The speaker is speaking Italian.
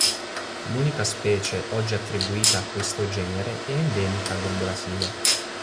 L'unica specie oggi attribuita a questo genere è endemica del Brasile.